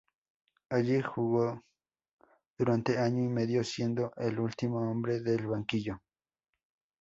Allí jugó durante año y medio, siendo el último hombre del banquillo.